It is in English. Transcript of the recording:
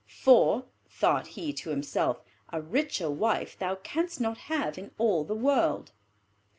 "For," thought he to himself, "a richer wife thou canst not have in all the world."